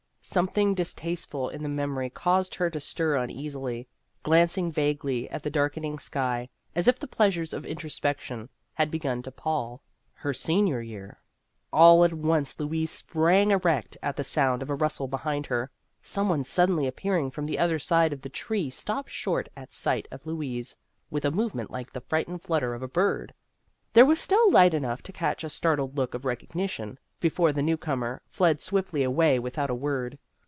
Something distasteful in the The Ghost of Her Senior Year 217 memory caused her to stir uneasily, glan cing vaguely at the darkening sky, as if the pleasures of introspection had begun to pall. Her senior year All at once Louise sprang erect at the sound of a rustle behind her. Some one suddenly appearing from the other side of the tree stopped short at sight of Louise with a movement like the frightened flutter of a bird. There was still light enough to catch a startled look of recognition, be fore the newcomer fled swiftly away without a word.